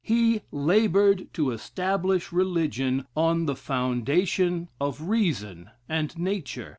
He labored to establish religion on the foundation of Reason and Nature.